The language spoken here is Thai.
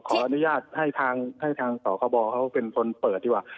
ขออนุญาตให้ทางสคบเขาเป็นคนเปิดดีกว่า